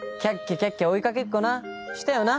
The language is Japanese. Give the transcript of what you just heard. キャッキャ追いかけっこなしたよな。